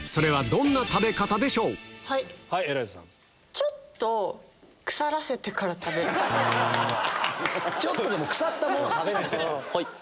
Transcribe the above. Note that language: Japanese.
ちょっとでも腐ったものは食べないです。